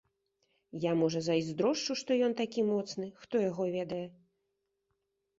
Я, можа, зайздрошчу, што ён такі моцны, хто яго ведае.